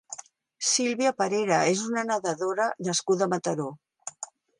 Sílvia Parera és una nedadora nascuda a Mataró.